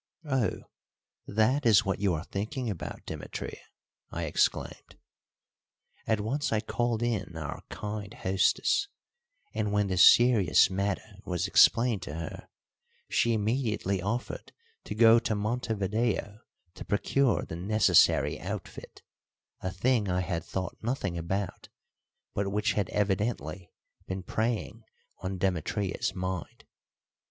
"Oh, that is what you are thinking about, Demetria!" I exclaimed. At once I called in our kind hostess, and when this serious matter was explained to her she immediately offered to go to Montevideo to procure the necessary outfit, a thing I had thought nothing about, but which had evidently been preying on Demetria's mind.